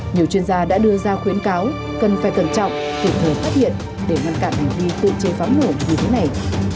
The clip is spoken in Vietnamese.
nhiều chuyên gia đã đưa ra khuyến cáo cần phải cẩn trọng kịp thời phát hiện để ngăn cản hành vi tự chế pháo nổ như thế này